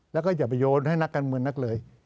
แล้วก็อย่าไปโยนให้นักการเมืองนักเลย